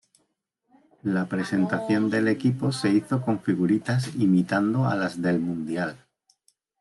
La presentación del equipo se hizo con figuritas imitando a las del Mundial.